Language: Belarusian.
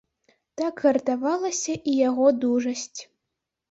Так гартавалася і яго дужасць.